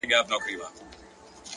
پرمختګ د عادتونو ښه کولو هنر دی!.